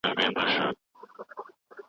پخوا به خلګو له انسانانو سره بد چلند کاوه.